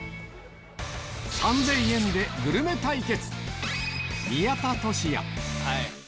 ３０００円でグルメ対決